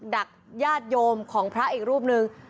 ดักญาติโยมของพระอีกรูปนึง